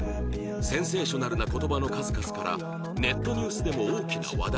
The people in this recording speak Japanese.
センセーショナルな言葉の数々からネットニュースでも大きな話題に